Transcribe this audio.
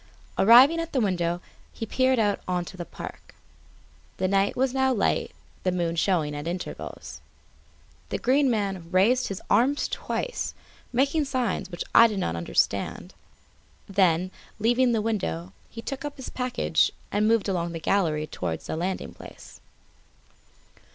Arriving at the window, he peered out on to the park. The night was now light, the moon showing at intervals. The Green Man raised his arms twice, making signs which I did not understand; then, leaving the window, he again took up his package and moved along the gallery towards the landing place.